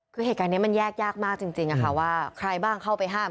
คือเหตุการณ์นี้มันแยกยากมากจริงว่าใครบ้างเข้าไปห้าม